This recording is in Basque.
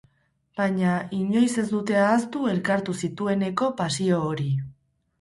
Baina inoiz ez dute ahaztu elkartu zitueneko pasio hori.